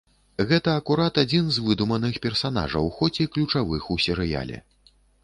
Гэта акурат адзін з выдуманых персанажаў, хоць і ключавых у серыяле.